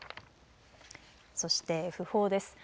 そして訃報です。